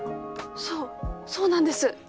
そうそうなんです。